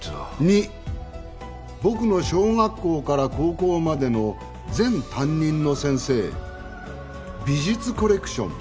「二僕の小学校から高校までの全担任の先生美術コレクション」